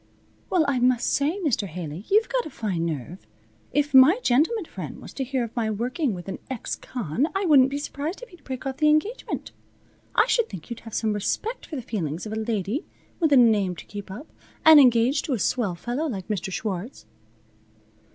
"Well I must say, Mr. Haley, you've got a fine nerve! If my gentleman friend was to hear of my working with an ex con I wouldn't be surprised if he'd break off the engagement. I should think you'd have some respect for the feelings of a lady with a name to keep up, and engaged to a swell fellow like Mr. Schwartz."